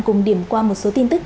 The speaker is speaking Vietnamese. cùng điểm qua một số tin tức